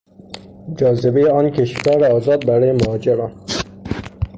جاذبهی آن کشور آزاد برای مهاجران